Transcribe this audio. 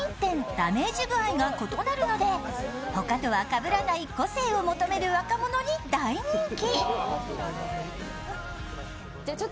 ダメージ具合が異なるので他とはかぶらない個性を求める若者に大人気。